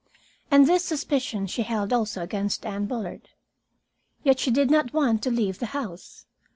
And this suspicion she held also against Anne Bullard. Yet she did not want to leave the house.